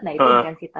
nah itu intensitasnya